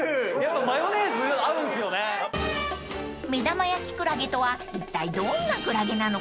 ［目玉焼きクラゲとはいったいどんなクラゲなのか］